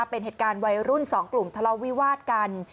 เป็นเหตุการณ์วัยรุ่น๒กลุ่มทะเลาวิวาดกัน